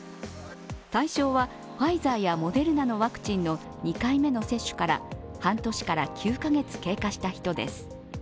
対象はファイザーやモデルナのワクチンの２回目の接種から半年から９カ月経過した人です。